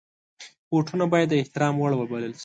بوټونه باید د احترام وړ وبلل شي.